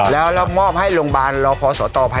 เทพบุตรงานช่วยอำนวยเสน่ห์